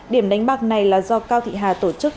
điểm đánh bạc này là do cao thị hà tổ chức